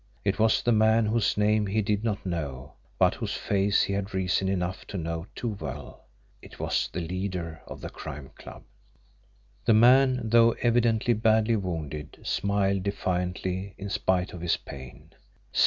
It was the man whose name he did not know, but whose face he had reason enough to know too well it was the leader of the Crime Club. The man, though evidently badly wounded, smiled defiantly in spite of his pain.